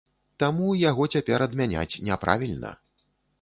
Таму яго цяпер адмяняць няправільна.